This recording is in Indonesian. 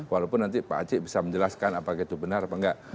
walaupun nanti pak aci bisa menjelaskan apakah itu benar apa enggak